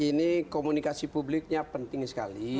ya begini ya ini komunikasi publiknya penting sekali